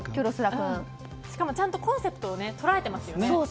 しかもちゃんとコンセプトを捉えてますよね。